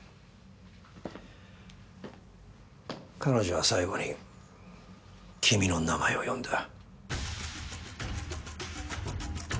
彼女は最後に君の名前を呼んだ。